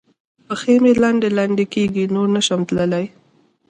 پښې مې لنډې لنډې کېږي؛ نور نه شم تلای.